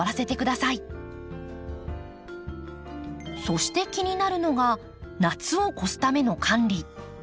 そして気になるのが夏を越すための管理。